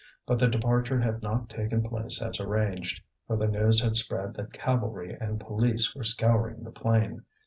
But the departure had not taken place as arranged, for the news had spread that cavalry and police were scouring the plain.